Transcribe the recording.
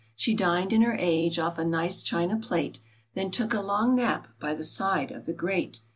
She dined in her age off a nice China plate, Then took a long nap by the side of the grate.